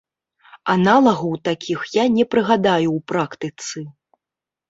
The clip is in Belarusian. Аналагаў такіх я не прыгадаю ў практыцы.